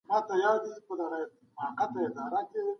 جاري وضعیت د تېرو کارونو پایله ده.